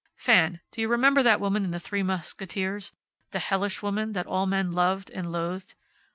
"Fan, do you remember that woman in `The Three Musketeers'? The hellish woman, that all men loved and loathed?